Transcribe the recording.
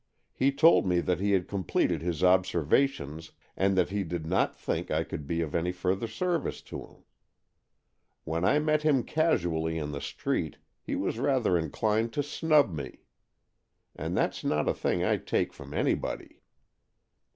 He told me that he had completed his observations, and that he did not think I could be of any further service to him. When I met him casually in the street, he was rather inclined to snub me. 'And that's not a thing I take from anybody.